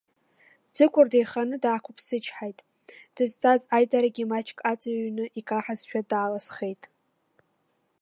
Ӡыкәыр деиханы даақәԥсычҳаит, дызҵаз аидарагьы маҷк ацрҩрны икаҳазшәа дааласхеит.